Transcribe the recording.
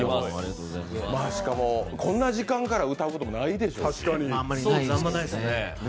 しかも、こんな時間から歌うこともないでしょうしね。